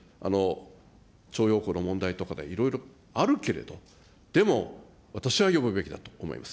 徴用工の問題とか、いろいろあるけれど、でも私は呼ぶべきだと思います。